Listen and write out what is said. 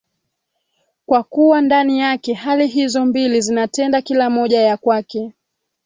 kwa kuwa ndani yake hali hizo mbili zinatenda kila moja ya kwake